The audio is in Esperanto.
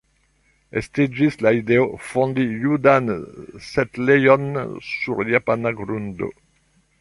Estiĝis la ideo fondi judan setlejon sur japana grundo.